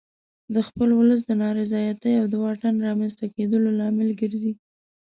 د خپل ولس د نارضایتي او د واټن رامنځته کېدو لامل ګرځي.